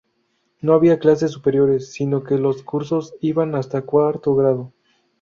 No había clases superiores, sino que los cursos iban hasta cuarto grado.